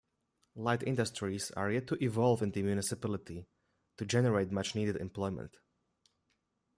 Light industries are yet to evolve in the municipality to generate much needed employment.